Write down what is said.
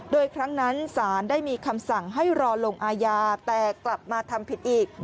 โดยครั้งนั้นศาลได้มีคำสั่งให้รอลงอาญาแต่กลับมาทำผิดอีก